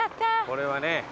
これはね